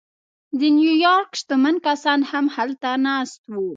د نیویارک شتمن کسان هم هلته ناست وو